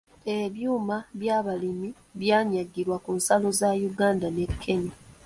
Ebyuma by’abalimi byanyagirwa ku nsalo za Yuganda ne "Kenya".